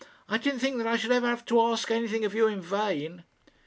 I didn't think that I should ever have to ask anything of you in vain."